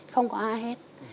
không có ai hết